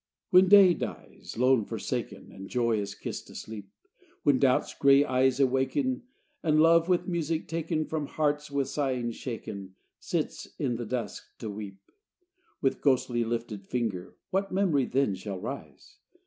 XII When day dies, lone, forsaken, And joy is kissed asleep; When doubt's gray eyes awaken, And love, with music taken From hearts with sighings shaken, Sits in the dusk to weep: With ghostly lifted finger What memory then shall rise?